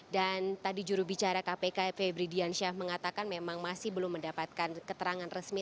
dan tadi jurubicara kpk febri diansyah mengatakan memang masih belum mendapatkan keterangan resmi